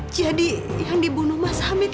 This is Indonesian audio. jadi yang dibunuh mas hamid itu